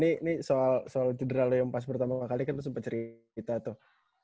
ini soal cedera loh yang pas pertama kali kan tuh sempat cerita tuh